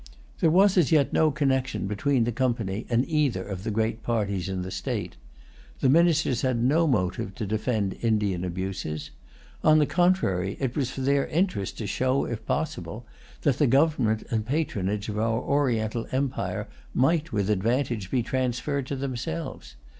There was as yet no connection between the Company and either of the great parties in the state. The ministers had no motive to defend Indian abuses. On the contrary, it was for their interest to show, if possible, that the government and patronage of our Oriental empire might, with advantage, be transferred to themselves.